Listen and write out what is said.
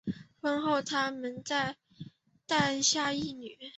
婚后他们再诞下一女。